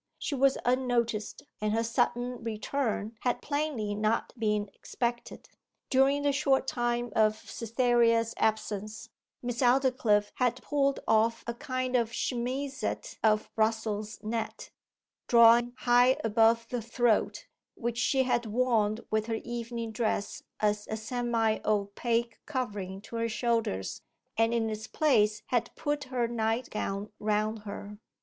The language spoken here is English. She was unnoticed, and her sudden return had plainly not been expected. During the short time of Cytherea's absence, Miss Aldclyffe had pulled off a kind of chemisette of Brussels net, drawn high above the throat, which she had worn with her evening dress as a semi opaque covering to her shoulders, and in its place had put her night gown round her.